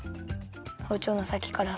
ほうちょうのさきからすって。